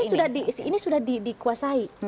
nah ini sudah dikuasai